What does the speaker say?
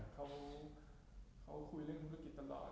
เขาคุยเรื่องธุรกิจตลอด